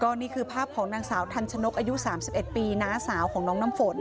นี่คือภาพของนางสาวทันชนกอายุ๓๑ปีน้าสาวของน้องน้ำฝน